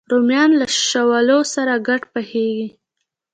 رومیان له شولو سره ګډ پخېږي